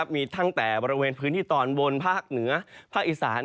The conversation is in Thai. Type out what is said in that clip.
มีตั้งแต่บริเวณพื้นที่ตอนบนภาคเหนือภาคอีสาน